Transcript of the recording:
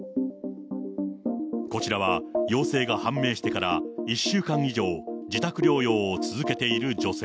こちらは、陽性が判明してから１週間以上、自宅療養を続けている女性。